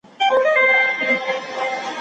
که مالي مدیریت خراب وي، سوداګري ډوبېږي.